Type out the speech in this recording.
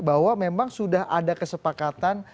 bahwa memang sudah ada kesepakatan